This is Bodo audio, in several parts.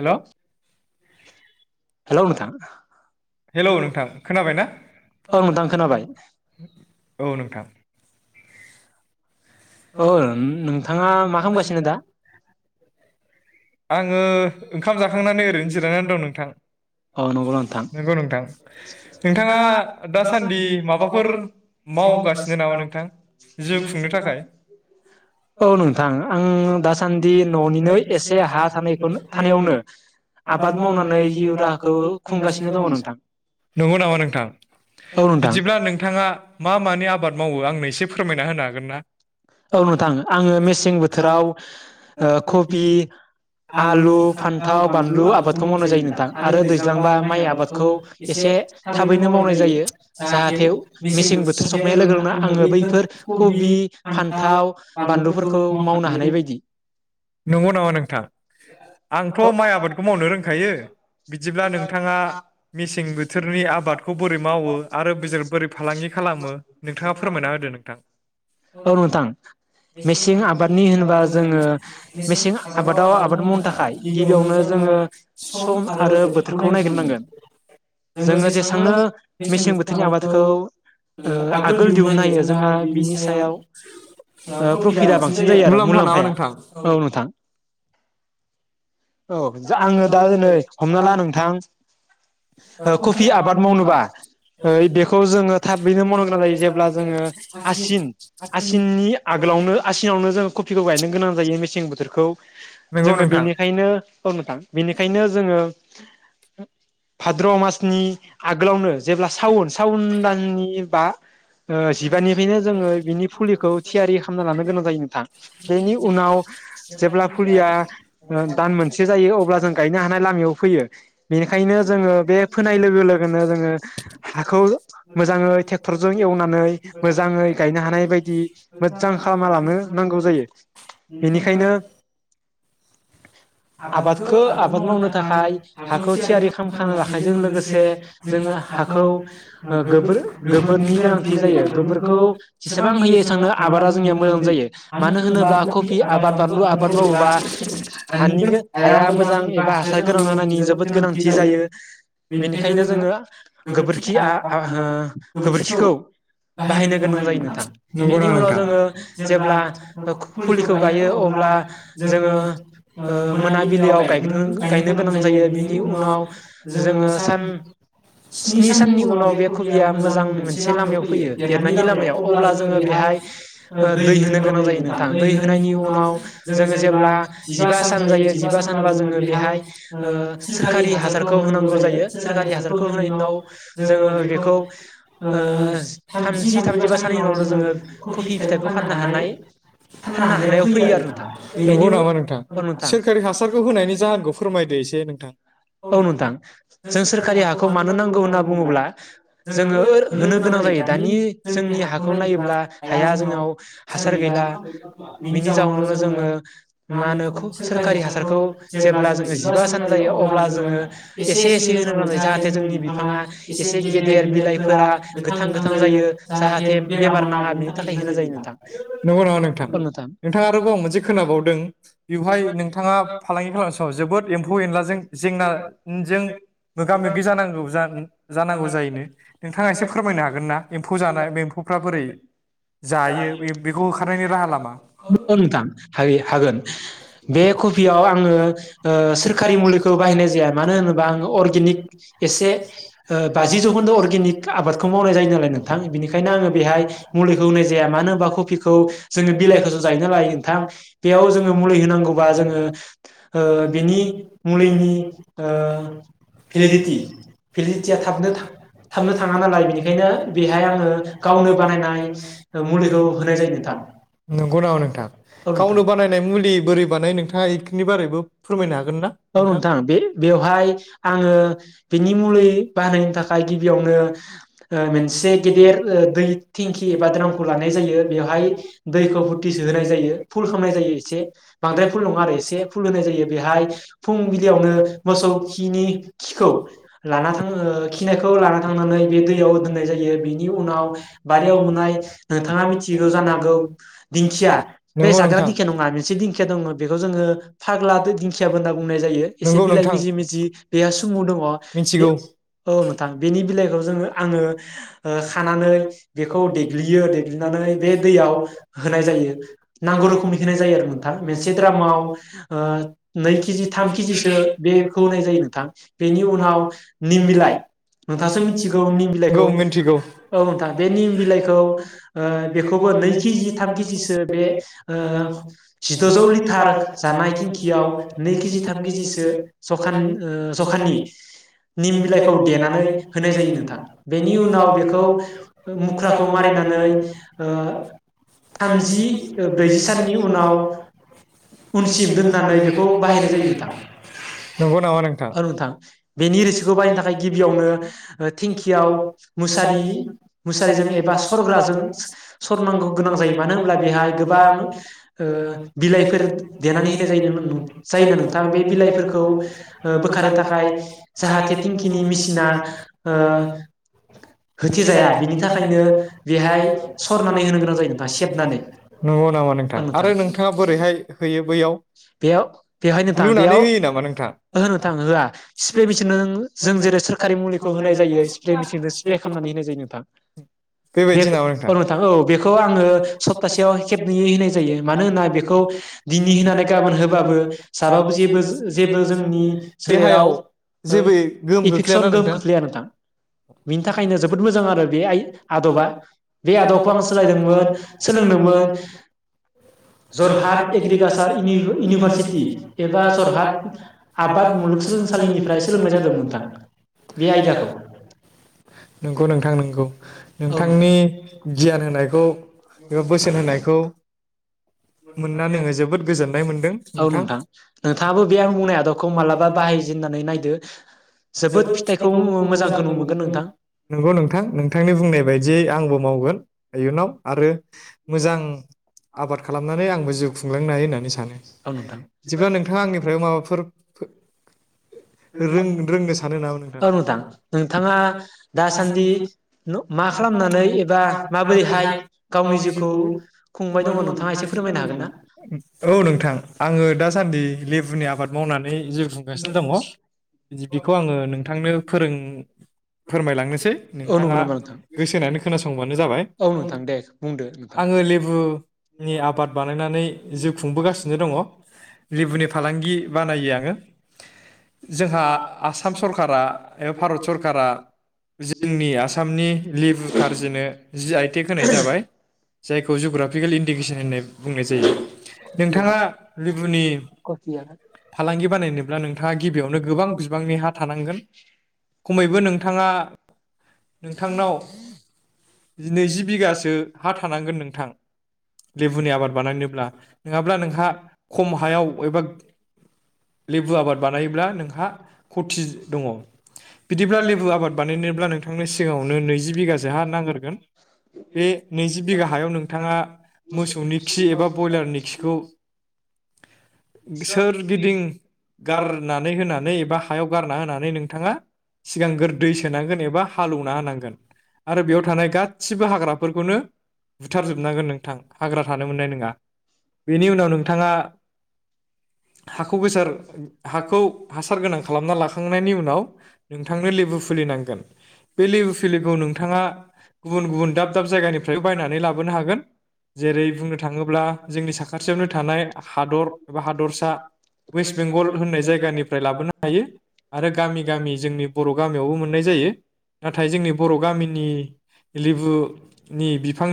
हेल' हेलौ नोंथां? हेलौ नोंथां, खोनाबाय ना? औ ओं नोंथां खोनाबाय खोनादों। औ नोंथां, [unintelligible] औ नोंथांङा मा मावगासिनो दा? आंङो ओंखाम जाखांनानै ओरैनो जिरायनानै दं नोंथां, औ नंगौ नोंथां [unintelligible] नंगौ नोंथां नोंथांङा दासान्दि माबाफोर मावगासिनो नामा नोंथां जिउ खुंनो थाखाय? औ नोंथां आं दासान्दि न'निनो एसे हा थानायखौ थानायावनो आबाद मावनानै जिउ राहाखौ खुंगासिनो दंङ नोंथां नंगौ नामा नोंथां औ नोंथां बिदिब्ला नोंथांङा मा मानि आबाद मावो आंनो एसे फोरमायना होनो हागोन ना औ नोंथां आङो मेसें बोथोराव ओ कबि आलु फान्थाव बानलु आबादखौ मावनाय जायो नोंथां आरो दैज्लांबा माइ आबादखौ एसे थाबैनो मावनाय जायो जाहाथे मेसें बोथोर सफैनाय लोगो लोगोनो आंङो बैफोर कबि थाव फान्थाव बानलुफोरखौ मावनो हानाय मावनानै बायदि [unintelligible] नंगौ नामा नोंथां आंथ औ माइ आबादखौ मावनो रोंखायो बिदिब्ला नोंथांङा मेसें बोथोरनि आबादखौ बोरै मावो आरो बिसोर बोरै फालांगि खालामो नोंथांङा फोरमायना होदो नोंथां औ नोंथां नोथां मेसें आबादनि होनबा जोंङो जोङो मेसें आबादाव आबाद मावनो थाखाय गिबियावनो जोंङो सम आरो बोथोरखौ नायग्रोनांगोन जोंङो जोङो जेसेबांनो जेसांनो मेसें बोथोरनि आबादखौ आगोल दिहुनो हायो जोंहा बिनि सायाव [inaudible] ओ फ्रफिटा प्रफिटआ बांसिन जायो आरो मुलाम्फा नामा मुलाम्फाया नोंथां औ औ जा आंङो दा दोनै आङो हमना ला नोंथां ओ कफि आबाद मावनोबा ओ बेखौ जोङो थाबैनो मावनो गोनां जायो जेब्ला जोङो आसिन [unintelligible] आसिननि आगोलावनो आसिनावनो जोंङो कफिखौ गायनो गोनां जायो मेसें बोथोरखौ नंगौ जोंङो नोंथां। बेनिखायनो औ नोंथां बिनिखायनो जोंङो भाद्र मासनि आगोलावनो जेब्ला सावन सावन दाननि बा ओ जिबानिफायनो जोंङो बिनि फुलिखौ थियारि खालामना लानो गोनां जायो नोंथां बेनि उनाव जेब्ला फुलिया ओ दान मोनसे जायो अब्ला जों गायनो हानाय लामायाव फैयो बे ओंखायनो जोंङो बे फोनाय लोगो लोगोनो जोंङो हाखौ मोजांङै टेक्टरजों एवनानै मोजाङै गायनओ हा नाय बायदि मोज्जां खालामना गायखांनानै लानो नांगौ जायो बेनिखायनो बेनिखायनो आबादखो आबाद मावनो थाखाय हाखौ थियारि खामखाना लाखायजों लोगोसे जोंङो हाखौ गोबोर गोबोरनि गोनांथि जायो गोबोरखौ जेसेबां होयो एसांनो आबादा जोंनिया मोजां जायो मानो होनोब्ला कफि आबाद बानलु आबाद मावोबा हानि गो हाया मोजां एबा हासार गोनां जानायनि जोबोद गोनांथि जायो बेनिखायनो जोंङो गोबोरखि आ आ हो गोबोरखिखौ बाहायनो गोनां जायो नों थां बेनि उनाव जोंङो जेब्ला खु-फुलिखौ गायो अब्ला जोङो जोंङो ओ मोनाबिलियाव गायग्रो-गायनो गोनां जायो बिनि उनाव जोंङो सान स्नि साननि उनाव बे कबिया मोजां मोनसे लामायाव फैयो देरनायनि लामायाव अब्ला जोंङो बेहाय दै होनो गोनां जायो नोंथां दै होनायनि उनाव जोंङो जेब्ला जिबा सान जायो जिबा सानबा जोंङो बेहाय ओ सोरखारि हासारखौ होनांगौ जायो सोरखारि हासारखौ होनाय उनाव जोंङो बेखौ ओ थामजि थामजिबा साननि उनाव जोङो कफि फिथाइखौ फाननो हानाय फाननो हानायाव फैयो आरो नोंगौ नामा नों थां औ नोंथां सोरखारि हासारखौ होनायनि जाहोनखौ फोरमायदो इसे दे नोंथां औ नोंथां जों सोरखारि हाखौ मानो नांगौ होनना बुङोब्ला जोङो ओर होनो गोनां जायो दानि जोंनि हाखौ नायोब्ला हाया जोंनाव सार हासार बिगा गैला बिनि जाउनावनो जोङो मा होनो सोरखारि हासारखौ जेब्ला जोङो जिबा सान जायो अब्ला जोङो एसे एसे होनो गोनां जायो जाहाथे जोंनि बिफाङा एसे गेदेर बिलाइफोरा गोथां गोथां जायो जाहाते बेमार नाङा बेनि थाखाय होनाय जायो नोंथां। नंगौ नामा नोंथां? नोंथां आरोबाव मोनसे खोनाबावदों बेवहाय नोंथाङा फालांगि खालामनाय समाव जोबोद एम्फौ एनलाजों जे जों मोगा मोगि जानांगौ जानां-जानांगौ जायोनो नोंथाङा एसे फोरमायनो हागोन ना एम्फौ जानाय बे एम्फौफ्रा बोरै जायो बे बेखौ होखारनायनि राहा लामा? औ औ नोंथां हायो हागोन बे कफियाव आङो ओ सोरखारि मुलि खौ बाहायनाय जाया मानो होनोबा आङो अरगेनिक एसे ओ बाजि जौखोन्दो अरगेनिक आबादखौ मावनाय जायोनालाय नोंथां बेनिखायनो आङो बेहाय मुलैखौ होनाय जाया मानो होनबा नोंथां कफिखौ जोङो बिलाइखोसो जायो नालाय नोंथां बेयाव जों मुलि होनांगौबा जोङो ओ बिनि मुलिनि ओ भेलिडिटि भेलिदिटि भेलिदिटिया थाबनो थाबनो थाङा नालाय इनिखायनो बेहाय आङो गावनो बानायनाय मुलिखौ होनाय जायो नोंथां। नोंगौ नामा नोंथां? औ। गावनो बानाय नाय मुलि बोरै बानायो नोंथाङा इख औ नोंथां बे-बेवहाय आङो बेनि मुलि बानायनो थाखाय गिबियावनो ओ मोनसे गेदेर दै थिंखि एबा द्रामखौ लानाय जायो बेवहाय दैखौ फुरथि सोनाय होनाय जायो फुल खामनाय जायो एस से बांद्राय फुल नङा आरो एसे एसे फुल होनाय जायो बेहाय फुंबिलियावनो मोसौ खिनि खिखौ लाना थां खिनायखौ लाना थांनानै बे दैयाव दोननाय जायो बेनि उनाव बारियाव मोननाय नोंथाङा मिथिगौ जानो हागौ दिंखिया बे जाग्राया दिंखिया नङा से दिंखिया दङ बेखौ जोङो फाग्ला दिंखियाबो होनना बुंनाय जायो एसे बिलाइ मिजि मिजि बेहा सुमु दङ। बे औ नोंथां बेनि बिलाइखौ जोङो आङो ओ खानानै बेखौ देग्लियो देग्लिनानै बे दैयाव होनाय जायो नांगौ रोखोमनि होनाय जायो आरो नोंथां से द्रामाव ओ नै केजि थाम केजिसो बेखौ होनाय जायो नोंथां बेनि उनाव निम बिलाइ नोंथाङासो मिथिगौ निम बिलाइखौ औ नोंथां बे निम बिलाइखौ ओ बेखौबो नै केजि थाम केजिसो बे ओ जिदजौ लिटार जानाय थिंखियाव नै केजि थाम केजिसो ज'खान जखानि ओ ज'खाननि जखानि निम बिलाइखौ देनानै होनाय जायो नोंथां बेनि उनाव बेखौ मुख्राखौ मारिनानै ओ थामजि ब्रैजि साननि उनाव [unintelligible] सिम दोननानै बेखौ बाहायनाय जायो नोंथां। नंगौ नामा औ नोंथां बेनि रिसिखौ बाहायनो थाखाय गिबियावनो थेंखियाव दिंखियाव मुसारि मुसारिजों एबा सरग्राजों स-सरनांगौ गोनां जायो मानो होनोमब्ला बेहाय गोबां ओ बिलाइफोर [unintelligible] देनानै होनाय जायो जाय जायोना नोंथां बे नोंथांनि बिलाइफोरखौ ओ बोखायनो थाखाय जाहाथे थिंखिनि टेंकिनि मेसिना मिसिना ओ होथेजाया बेनि थाखायनो बेहाय सरनानै होनाय जायो बा सेबनानै। नंगौ नामा नोंथां? ओम। आरो नोंथां थाङा बोरैहाय बेयाव बेवहाय नोंथां लुनानै बेयाव होयो नामा नोंथां? ओहो नोंथां होआ स्प्रे मेचनजों जों जेरै सोरखारि मुलिखौ होनाय जायो स्प्रे मेचनजों स्प्रे खालामनानै होनाय जायो नोंथां। बे बेबायदि नामा औ नोंथां औ बेखौ आङो सप्तासेयाव खेबनैै होनाय जायो मानो होनबाहाय बे [unintelligible] दिनि होननानै गाबोन होबाबो जाबाबो जेबो जेबो जोंनि सोलेराव जेबो गोहोम इफेकसन गोख्लैयाना गोहोम खोख्लैया नोंथां। बिनि थाखायनो जोबोद मोजां आरो बे आइ आदबा बे आदबखौ आं सोलायदोंमोन सोलोंदोंमोन जरहाट एग्रिकालसार इउनिभारसिटि एबा जरहाट आबाद मुलुगसोलोंसालिनिफ्राय सोलोंनाय जादों नोंथां बे आयदाखौ नंगौ नोंथां नंगौ औ नोंथांनि गियान होनायखौ एबा बोसोन होनायखौ मोननानै आङो जोबोद गोजोननाय मोनदों औ नोंथां, नोंथाङाबो बे आं बुंनाय आदबखौ मालाबा बाहायजेननानै नायदो जोबोद फिथाइखौ मोजांखौ मोनगोन नोंथां नंगौ नोंथां नोंथांनि बुंनाय बायदियै आंबो मावगोन। इयुनाव आरो मोजां आबाद खालामनानै आंबो जिउ खुंलांनो हायो होनना सानो औ नोंथां बिदिब्ला नोंथां आंनिफ्रायबो माबाफोर [unintelligible] रों [unintelligible] रोंनो सानो नामा नोंथां, औ नोंथाङा दासान्दि मा खालामनानै एबा माबोरैहाय गावनि जिउखौ खुंबाय दङ नोंथाङा एसे फोरमायनो हागोन ना औ नोंथां आङो दासान्दि लेबुनि आबाद मावनानै जिउ खुंगासिनो दङ। बिखौ आङो नोंथांनो फोरों फोरमायलांनोसै औ नंगौ नोंथाङा नामा नोंथां गोसो होनानै खोनासंबानो जाबाय औ नोंथां दे बुंदो आङो लेबुनि आबाद बानायनानै जिउ खुंबोगासिनो दङ। लेबुनि फालांगि बानायो आङो। जोंहा आसाम सरकारा एबा भारत सरकारा जोंनि आसामनि लेबु खारजिनो जि आइ टेक होनाय जाबाय जायखौ जग्राफिकेल इन्डिकेसन होननाय बुंनाय जायो। नोंथाङा लेबुनि नोंथां फालांगि बानायनोब्ला नोंथाङा गिबियावनो गोबां बि बांनि हा थानांगोन खमैबो नोंथाङा [inaudible] नोंथांनाव नैजि बिगासो हा थानांगोन नोंथां लेबुनि आबाद बानायनोब्ला नङाब्ला नोंहा खम हायाव एबा लेबु आबाद बानायोब्ला नोंहा खति दङ बिदिब्ला लेबु आबाद बानायनोब्ला नोंथांनो सिगाङावनो नैजि बिगासो हा नांग्रोगोन। बे नैजि बिघा हायाव नोंथाङा मोसौनि खि एबा ब्रयलारनि खिखौ सोरगिदिं गारनानै होनानै एबा हायाव गारना होनानै नोंथाङा सिगांग्रो दै सोनांगोन एबा हालौवना होनांगोन आरो बेयाव थानाय गासिबो हाग्राफोरखौनो बुथारजोबनांगोन नोंथां हाग्रा थानो मोननाय नङा। बेनि उनाव नोंथाङा हाखौ गोसार हाखौ हासार गोनां खालामना लाखांनायनि उनाव नोंथांनो लेबु फुलि नांगोन बे लेबु फुलिखौ नोंथाङा गुबुन-गुबुन दाब-दाब जायगानिफ्राय बायनानै लाबोनो हागोन जेरै बुंनो थाङोब्ला जोंनि साखाथियावनो थानाय वेस्ट बेंगल होननाय जायगानिफ्राय लाबोनो आरो गामि-गामि जोंनि बर गामियावबो मोननाय जायो नाथाय जोंनि बर गामिनि लेबु नि बिफां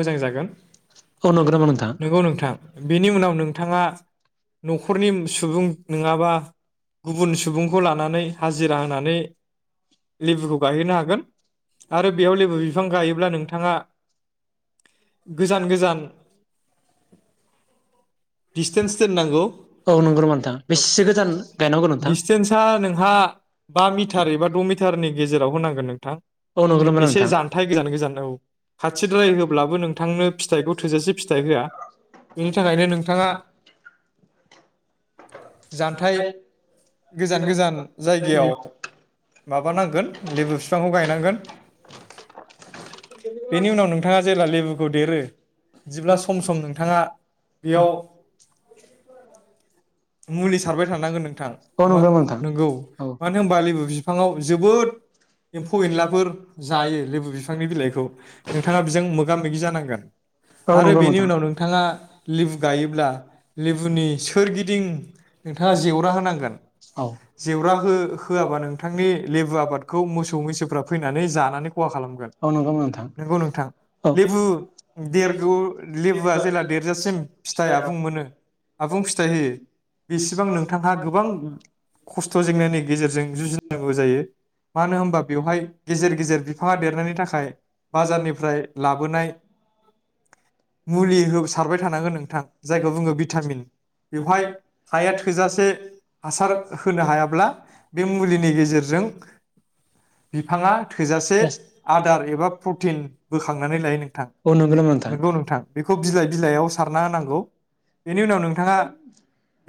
मोजां जागोन औ नंगौ नामा नोंथां? नंगौ नोंथां। बेनि उनाव नोंथाङा नखरनि सुबुं नङाबा गुबुन सुबुंखौ लानानै हाजिरा होनानै लेबुखौ गायहोनो हागोन आरो बेयाव लेबु बिफां गायोब्ला नोंथाङा गोजान-गोजान दिसटेन्स दोननांगौ औ नंगौ नामा नोंथां औ बेसेसो गोजान गायनांगौ नोंथां दिसटेन्सा नोंहा बा मिटार एबा द मिटारनि गेजेराव होनांगोन। नोंथां औ नंगौ नामा एसे नोंथां? जानथाय गोजान-गोजान औ। खाथिद्राय होब्लाबो नोंथांनो फिथाइखौ थोजासे फिथाइ होआ। बेनि थाखायनो नोंथाङा जानथाय गोजान-गोजान जायगायाव माबानांगोन लेबु बिफांखौ गायनांगोन। बेनि उनाव नोंथाङा जेब्ला लेबुखौ देरो बिदिब्ला सम सम नों नोंथाङा बेयाव मुलि सारबाय थानांगोन नोंथां औ मा नंगौ नामा नोंथां नंगौ मानो होनबा लेबु बिफाङाव जोबोद एम्फौ एनलाफोर जायो लेबु बिफांनि बिलाइखौ। नोंथाङा बेजों मोगा मोगि जानांगोन औ आरो नंगौ बेनि नोंथां उनाव नोंथाङा लेबु गायोब्ला लेबुनि सोरगिदिं नोंथाङा जेवरा होनांगोन जेवरा हो होआबा नोंथांनि लेबु आबादखौ मोसौ मैसोफ्रा फैनानै जानानै खहा खालामगोन। औ नंगौ नोंथां नोंथां लेबु देरगौ लुबुआ जेला देरजासिम फिथाइ आबुं मोनो आबुं फिथाइ होयो बेसेबां नोंथाङा गोबां खस्थ जेंनानायनि गेजेरजों जुजिनांगौ जायो मानो होनबा बेवहाय गेजेर गेजेर बिफाङा देरनायनि थाखाय बाजारनिफ्राय लाबोनाय मुलि सारबाय थानांगोन नोंथां जायखौ बुङो भिटामिन बेवहाय हाया थोजासे हासार होनो हायाब्ला बे मुलिनि गेजेरजों बिफाङा थोजासे आदार एबा प्रटिन बोखांनानै लायो नोंथां औ नंगौ नामा नंगौ नोंथां बे बिलाइ बिलाइयाव सारना होनांगौ बेनि उनाव नोंथाङा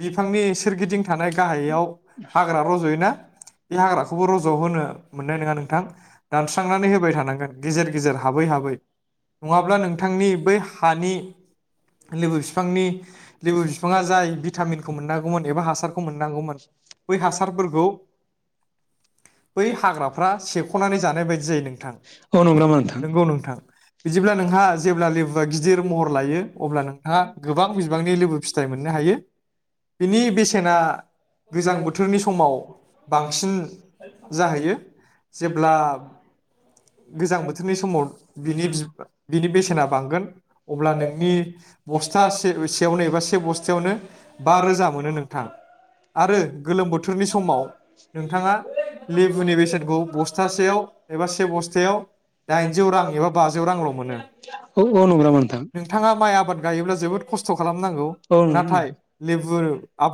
बिफांनि सोरगिदिं थानाय गाहायाव हाग्रा रजयोना बे हाग्राखौबो रजहोनो मोननाय नोङा नोंथां दानस्रांनानै होबाय थानांगोन गेजेर गेजेर हाबै हाबै नङाब्ला नोंथांनि बै हानि लेबु बिफांनि लेबु बिफाङा जाय भिटामिनखौ मोनांगौ एबा हासारखौ मोनांगौमोन बै हासारफोरखौ बै हाग्रा फुरा सेबखनानै जानाय बायदि जायो नोंथां औ नंगौ नामा नोंथां नोंगौ नोंथां बिदिब्ला नोंहा जेब्ला लेबुया गिद दिर महर लायो अब्ला नोंथाङा गोबां बिबांनि लेबु फिथाइ मोननो हायो बिनि बेसेना गोजां बोथोरनि समाव बांसिन जाहैयो जेब्ला गोजां बोथोरनि समाव बिनि बिनि बेसेना बांगोन अब्ला नोंनि बस्था से-सेयावनो एबा से बस्थायावनो बा रोजा मोनो नोंथां आरो गोलोम बोथोरनि समाव नोंथाङा लेबुनि बेसेन बस्थासेयाव एबा से बस्तायाव दाइनजौ रां एबा बाथौ रां ल' मोनो औ औ नंगौ नामा नोंथां नोंथाङा माइ आबाद गायोब्ला जोबोद खस्थ' खालामनांगौ औ नंगौ नंगौ नाथाय लेबुर आबाद